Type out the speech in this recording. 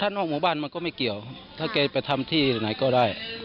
ว่าท่านห้องหมู่บ้านมันก็ไม่เกี่ยวถ้าเกรย์ไปทำที่หรือไหนก็ได้